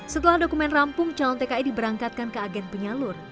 setelah dokumen rampung calon tki diberangkatkan ke agen penyalur